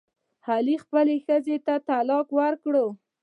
علي خپلې ښځې ته طلاق ورکړ.